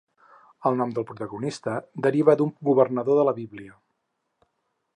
El nom del protagonista deriva d'un governador de la Bíblia.